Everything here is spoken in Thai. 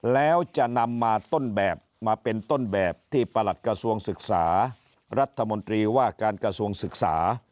แล้วจะนำมาต้นแบบมาเป็นต้นแบบที่ประหลัดกระทรวงศึกษารัฐมนตรีว่าการกระทรวงศึกษา